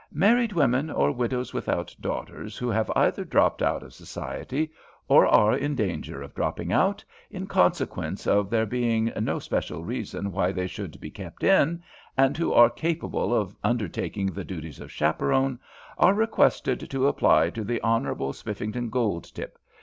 Married women, or widows without daughters, who have either dropped out of society or are in danger of dropping out, in consequence of there being no special reason why they should be kept in, and who are capable of undertaking the duties of chaperon, are requested to apply to the Honourable Spiffington Goldtip.